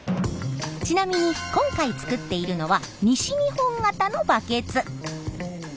ちなみに今回作っているのは西日本型のバケツ。